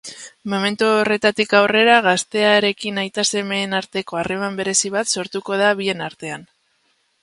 Momentu horretatik aurrera gaztearekin aita-semeen arteko harreman berezi bat sortuko da bien artean.